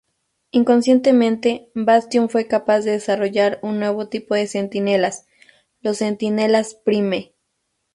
Inconscientemente, Bastión fue capaz de desarrollar un nuevo tipo de Centinelas, los Centinelas Prime.